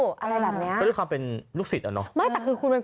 พอดูความเป็นลูกสิบเนี่ยเนาะ